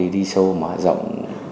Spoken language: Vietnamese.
đi sâu mà rộng